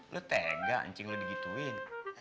lu tega ncing lu digituin